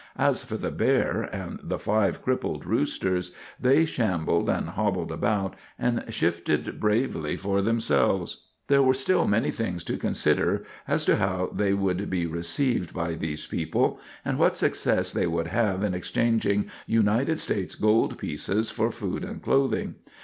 As for the bear and the five crippled roosters, they shambled and hobbled about, and shifted bravely for themselves. There were still many things to consider as to how they would be received by these people, and what success they would have in exchanging United States gold pieces for food and clothing.